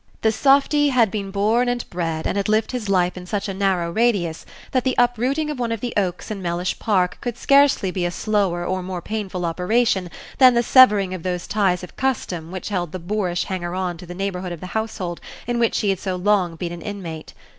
The softy had been born and bred, and had lived his life in such a narrow radius, that the uprooting of one of the oaks in Mellish Park could scarcely be a slower or more painful operation than the severing of those ties of custom which held the boorish hanger on to the neighborhood of the household in which he had so long been an inmate.